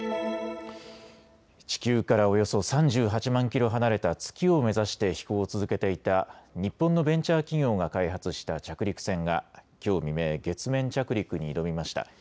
地球からおよそ３８万キロ離れた月を目指して飛行を続けていた日本のベンチャー企業が開発した着陸船がきょう未明、月面着陸に挑みました。